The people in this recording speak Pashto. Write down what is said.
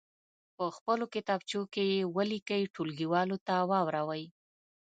په خپلو کتابچو کې یې ولیکئ ټولګیوالو ته واوروئ.